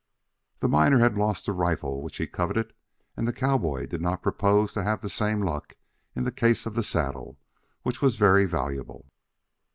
The miner had lost the rifle which he coveted, and the cowboy did not propose to have the same luck in the case of the saddle, which was very valuable.